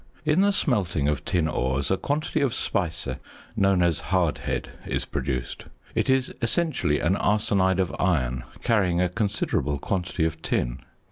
~ In the smelting of tin ores a quantity of speise, known as "hardhead," is produced. It is essentially an arsenide of iron, carrying a considerable quantity of tin.